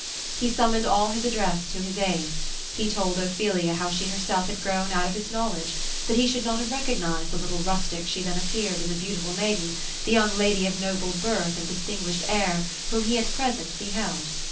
He summoned all his address to his aid. He told Ophelia how she herself had grown out of his knowledge ; that be should not have recog nized the little rustic she then appeared, in the beautiful maiden — the young lady of noble birth and distinguished air, whom he at present be held.